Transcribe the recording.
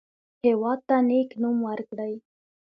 هېواد ته نیک نوم ورکړئ